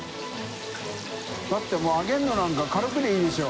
だってもう揚げるのなんか軽くでいいでしょ。